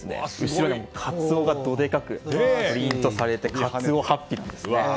後ろにカツオが、どでかくプリントされたカツオ法被なんです。